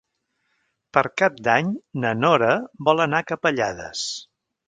Per Cap d'Any na Nora vol anar a Capellades.